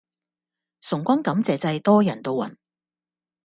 崇光感謝祭多人到暈